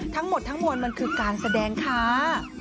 ทั้งหมดทั้งมวลมันคือการแสดงค่ะ